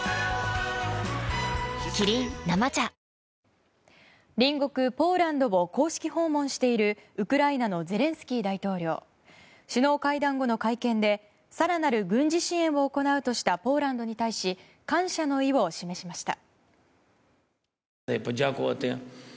キリン「生茶」隣国ポーランドを公式訪問しているウクライナのゼレンスキー大統領。首脳会談後の会見で更なる軍事支援を行うとしたポーランドに対し感謝の意を示しました。